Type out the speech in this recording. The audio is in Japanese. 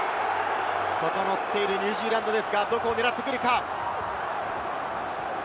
整っているニュージーランドですが、どこを狙ってくるか？